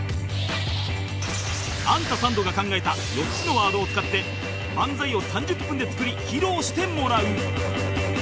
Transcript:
アンタサンドが考えた４つのワードを使って漫才を３０分で作り披露してもらう